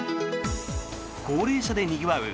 高齢者でにぎわう